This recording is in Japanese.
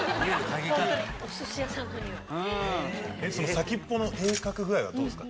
先っぽの鋭角具合はどうですか？